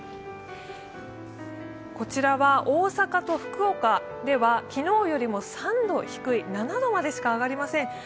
こちらは大阪と福岡では昨日よりも３度低い７度までしか上がりません。